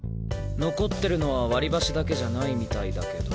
残ってるのは割り箸だけじゃないみたいだけど。